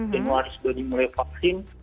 januari sudah dimulai vaksin